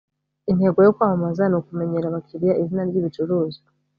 Intego yo kwamamaza ni ukumenyera abakiriya izina ryibicuruzwa